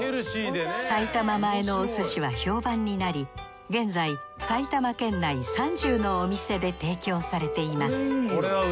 埼玉前のお寿司は評判になり現在埼玉県内３０のお店で提供されています。